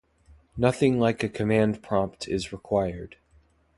Nothing like a command prompt is required.